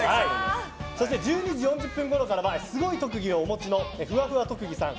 そして１２時４０分ごろからはすごい特技をお持ちのふわふわ特技さん。